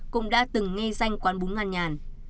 cũng đã từng nghe danh quán bún ngăn nhàn